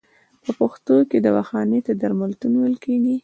په پښتو کې دواخانې ته درملتون ویل کیږی.